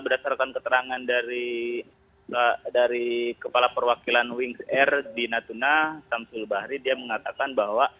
dari kepala perwakilan wings air di natuna tamsul bahri dia mengatakan bahwa